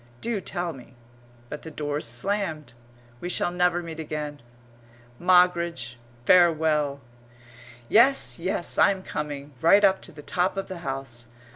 Do tell me but the doors slammed. We shall never meet again. Moggridge, farewell! Yes, yes, I'm coming. Right up to the top of the house.